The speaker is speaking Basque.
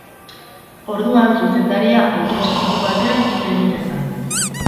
Orduan zuzendaria auto-istripu batean hil egiten da.